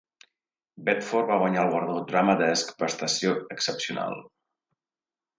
Bedford va guanyar el guardó Drama Desk, prestació excepcional.